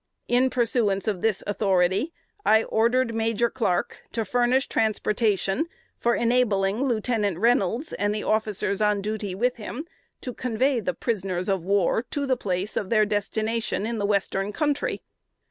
In pursuance of this authority, I ordered Major Clark to furnish transportation, for enabling Lieutenant Reynolds, and the officers on duty with him, to convey the prisoners of war to the place of their destination in the Western Country."